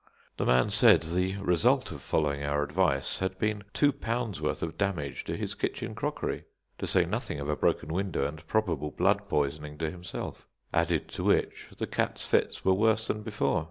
The man said the result of following our advice had been two pounds worth of damage to his kitchen crockery, to say nothing of a broken window and probable blood poisoning to himself; added to which the cat's fits were worse than before.